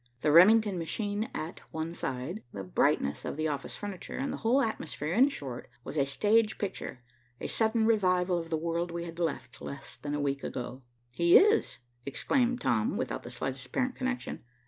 The Remington machine at one side, the brightness of the office furniture, the whole atmosphere, in short, was a stage picture, a sudden revival of the world we had left less than a week ago. "He is," exclaimed Tom, without the slightest apparent connection.